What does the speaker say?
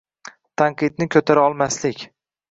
Tanqidni ko‘tara olmaslik